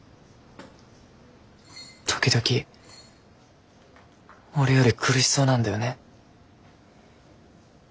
時々俺より苦しそうなんだよね。